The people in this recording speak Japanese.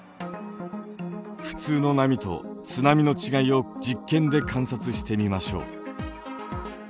普通の波と津波の違いを実験で観察してみましょう。